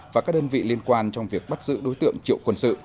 và các đơn vị liên quan trong việc bắt giữ đối tượng triệu quân sự